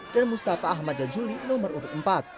dan mustafa ahmad jajuli nomor urut empat